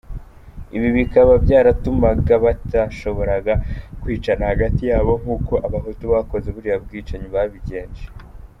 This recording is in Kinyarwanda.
Ibi, bikaba byaratumaga batarashoboraga kwicana hagati yabo, nk’uko abahutu bakoze buriya bwicanyi babigenje.